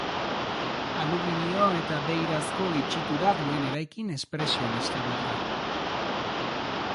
Aluminio eta beirazko itxitura duen eraikin espresionista bat da.